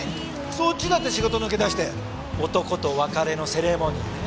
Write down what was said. そっちだって仕事抜け出して男と別れのセレモニーねえ。